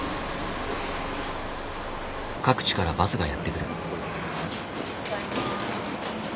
各地からバスがやって来る。